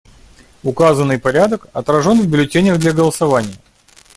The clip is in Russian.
Указанный порядок отражен в бюллетенях для голосования.